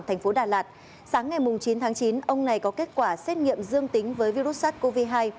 tp đà lạt sáng ngày chín chín ông này có kết quả xét nghiệm dương tính với virus sars cov hai